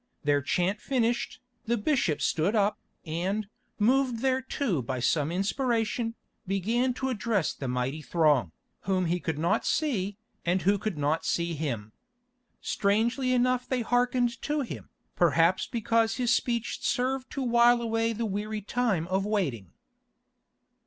Their chant finished, the bishop stood up, and, moved thereto by some inspiration, began to address the mighty throng, whom he could not see, and who could not see him. Strangely enough they hearkened to him, perhaps because his speech served to while away the weary time of waiting.